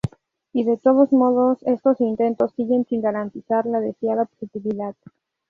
Y de todos modos estos intentos siguen sin garantizar la deseada objetividad.